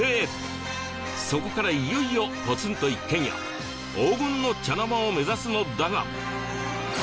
そこからいよいよポツンと一軒家黄金の茶の間を目指すのだが